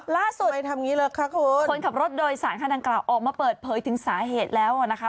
ไปทำงี้เลยค่ะคุณคนขับรถโดยสารคันดังกล่าวออกมาเปิดเผยถึงสาเหตุแล้วนะคะ